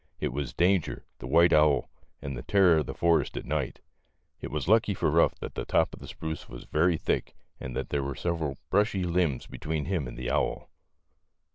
It was Danger, the white owl, the terror of the forest at night. It w r as lucky for Ruff that the top of the spruce was very thick and that there were several brushy limbs between him and the owl.